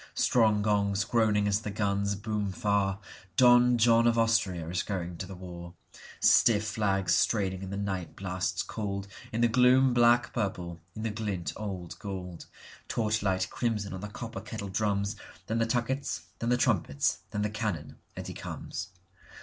Strong gongs groaning as the guns boom far, Don John of Austria is going to the war, Stiff flags straining in the night blasts coldIn the gloom black purple, in the glint old gold, Torchlight crimson on the copper kettle drums, Then the tuckets, then the trumpets, then the cannon, and he comes.